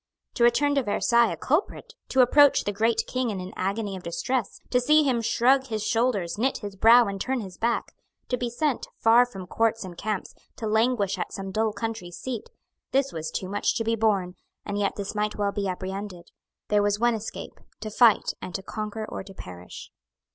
To return to Versailles a culprit; to approach the great King in an agony of distress; to see him shrug his shoulders, knit his brow and turn his back; to be sent, far from courts and camps, to languish at some dull country seat; this was too much to be borne; and yet this might well be apprehended. There was one escape; to fight, and to conquer or to perish.